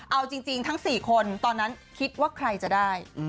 เอาจริงทั้ง๔คนตอนนั้นคิดว่าใครจะได้